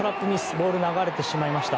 ボールが流れてしまいました。